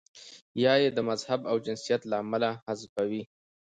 یا یې د مذهب او جنسیت له امله حذفوي.